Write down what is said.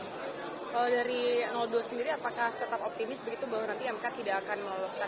kalau dari dua sendiri apakah tetap optimis begitu bahwa nanti mk tidak akan meloloskan